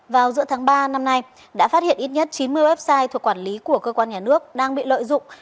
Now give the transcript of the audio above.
vào giữa tháng ba năm nay đã phát hiện ít nhất chín mươi website thuộc quản lý của cơ quan nhà nước đang bị lợi dụng